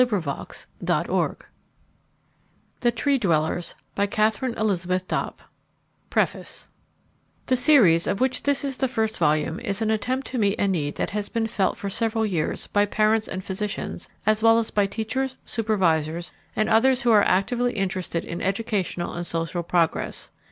A. TO MY MOTHER +Janet Moyes Dopp+ I DEDICATE THIS BOOK PREFACE The series, of which this is the first volume, is an attempt to meet a need that has been felt for several years by parents and physicians, as well as by teachers, supervisors, and others who are actively interested in educational and social progress.